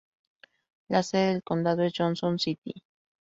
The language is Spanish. La sede del condado es Johnson City.